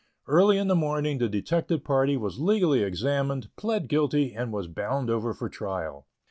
Early in the morning the detected party was legally examined, plead guilty, and was bound over for trial.